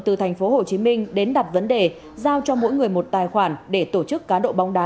từ thành phố hồ chí minh đến đặt vấn đề giao cho mỗi người một tài khoản để tổ chức cá độ bóng đá